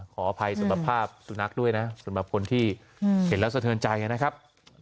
ขออภัยสำหรับภาพสุนัขด้วยนะสำหรับคนที่เห็นแล้วสะเทินใจนะครับ